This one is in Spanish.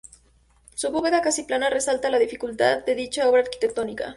Su bóveda, casi plana, resalta la dificultad de dicha obra arquitectónica.